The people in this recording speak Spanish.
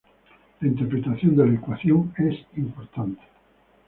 La interpretación de la ecuación es importante.